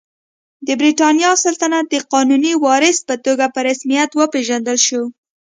د برېټانیا سلطنت د قانوني وارث په توګه په رسمیت وپېژندل شو.